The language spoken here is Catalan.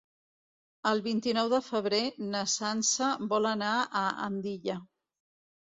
El vint-i-nou de febrer na Sança vol anar a Andilla.